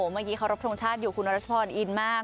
เมื่อกี้เคารพทรงชาติอยู่คุณรัชพรอินมาก